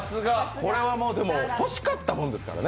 これはでも欲しかったものですからね。